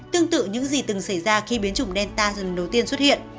tương tự những gì từng xảy ra khi biến chủng deltas lần đầu tiên xuất hiện